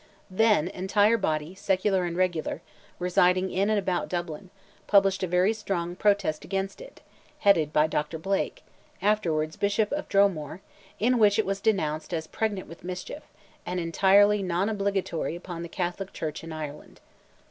Their entire body, secular and regular, residing in and about Dublin, published a very strong protest against it, headed by Dr. Blake, afterwards Bishop of Dromore, in which it was denounced as "pregnant with mischief" and entirely "non obligatory upon the Catholic Church in Ireland."